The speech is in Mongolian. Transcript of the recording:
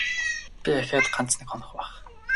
Би ахиад ганц нэг хонох байх.